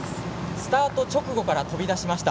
スタート直後から飛び出しました。